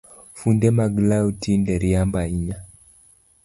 Funde mag law tinde riambo ahinya